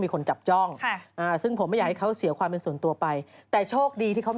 มีคนจับตามมองแสดงว่าเขาไม่ได้ปิดเนอะ